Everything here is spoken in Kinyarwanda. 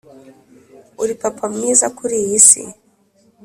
uri papa mwiza kuriyi si